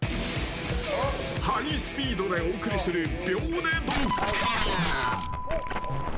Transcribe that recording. ハイスピードでお送りする秒で。